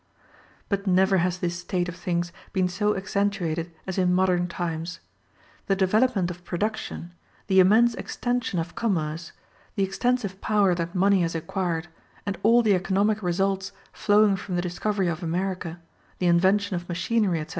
But never has this state of things been so accentuated as in modern times. The development of production, the immense extension of commerce, the extensive power that money has acquired, and all the economic results flowing from the discovery of America, the invention of machinery, etc.